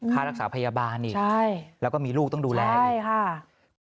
ค่ารักษาพยาบาลอีกใช่แล้วก็มีลูกต้องดูแลอีกใช่ค่ะ